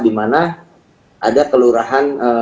dimana ada kelurahan